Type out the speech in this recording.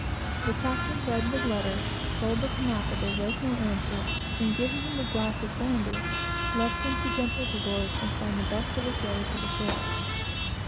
The captain read the letter, told the Kanaka there was no answer, and giving him a glass of brandy, left him to jump overboard and find the best of his way to the shore.